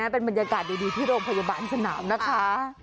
เป็นบรรยากาศดีที่โรงพยาบาลสนามนะคะ